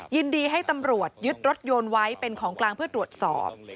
ยินดีให้ตำรวจยึดรถยนต์ไว้เป็นของกลางเพื่อตรวจสอบ